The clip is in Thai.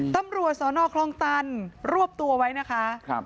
ตำรวจสนคลองตันรวบตัวไว้นะคะ